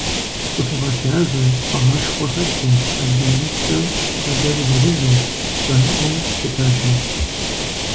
Цӏыхугъэ лъагэ, лӏыгъэшхуэ хэлъу, хабзэ-нэмыскӏэ хуэдэр зырызу, цӏэрыӏуэу щытащ ар.